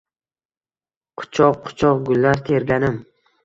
Quchoq-quchoq gullar terganim